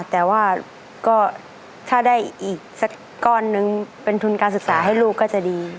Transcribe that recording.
แต่ว่าก็ถ้าได้อีกสักก้อนนึงเป็นทุนการศึกษาให้ลูกก็จะดี